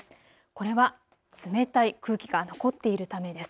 これは冷たい空気が残っているためです。